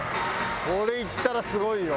これいったらすごいよ。